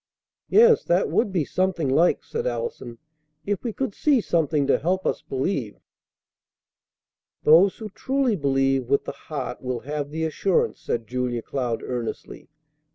"Yes, that would be something like!" said Allison. "If we could see something to help us believe " "Those who truly believe with the heart will have the assurance," said Julia Cloud earnestly.